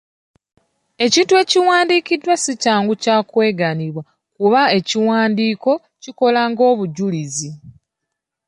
Ekintu ekiwandiikiddwa si kyangu kya kwegaanibwa, kuba ekiwandiiko kikola ng'obujulizi.